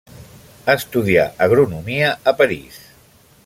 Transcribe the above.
Estudià agronomia a París.